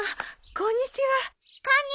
こんにちは。